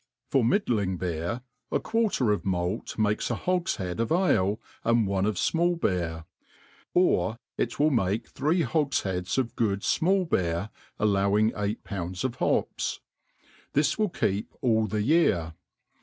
Fot* middling beer^ a quarter of malt makes a hogfliead of die; and one of fmall becr; or it will make three hogllipads of good fmall beer, allowing eight pounds of hops. This iilll keep all the year.